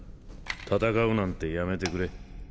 戦うなんてやめてくれ。